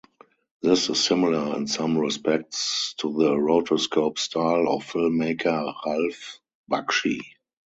This is similar in some respects to the rotoscope style of filmmaker Ralph Bakshi.